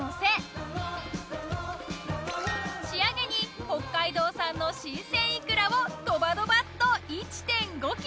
仕上げに北海道産の新鮮イクラをドバドバッと１．５ｋｇ。